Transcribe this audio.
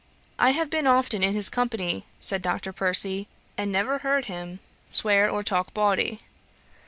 'I have been often in his company, (said Dr. Percy,) and never heard him swear or talk bawdy.'